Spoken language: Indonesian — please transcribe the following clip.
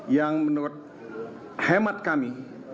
yang menurut hemat kami